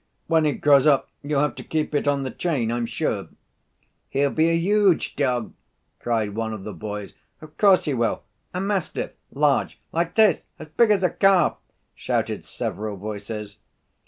"When it grows up, you'll have to keep it on the chain, I'm sure." "He'll be a huge dog!" cried one of the boys. "Of course he will," "a mastiff," "large," "like this," "as big as a calf," shouted several voices.